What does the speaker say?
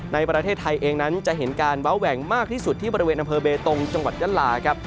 ในประเทศไทยเองนั้นจะเห็นการเว้าแหว่งมากที่สุดที่บริเวณอำเภอเบตงจังหวัดยะลาครับ